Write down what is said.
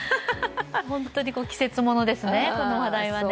本当に季節ものですね、この話題はね。